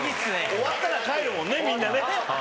終わったら帰るもんねみんなね。